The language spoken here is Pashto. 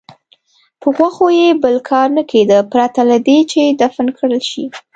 په غوښو یې بل کار نه کېده پرته له دې چې دفن کړل شي.